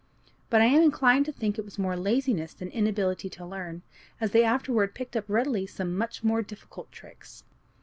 But I am inclined to think it was more laziness than inability to learn, as they afterward picked up readily some much more difficult tricks.